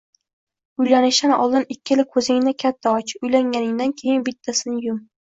Uylanishdan oldin ikkala ko‘zingni katta och, uylanganingdan keyin bittasini yum.